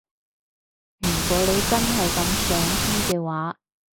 如果你真係咁想知嘅話